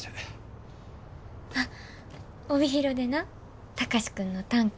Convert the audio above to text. あっ帯広でな貴司君の短歌